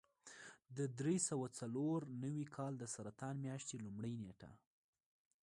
د درې سوه څلور نوي کال د سرطان میاشتې لومړۍ نېټه.